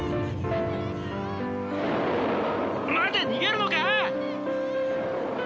待て逃げるのか？